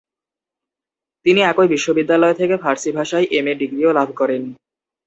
তিনি একই বিশ্ববিদ্যালয় থেকে ফার্সি ভাষায় এমএ ডিগ্রীও লাভ করেন।